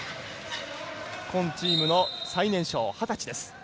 日本チームの最年少二十歳です。